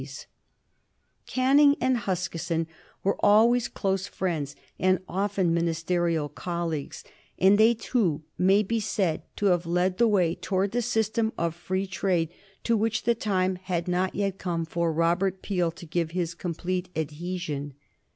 [Sidenote: 1770 1830 Daniel O'Connell] Canning and Huskisson were always close friends and often ministerial colleagues, and they two may be said to have led the way towards the system of free trade to which the time had not yet come for Robert Peel to give his complete adhesion.